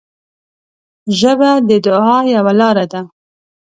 ژبه د دعا یوه لاره ده